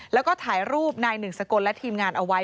แล้วก็ถ่ายรูปนายหนึ่งสกลและทีมงานเอาไว้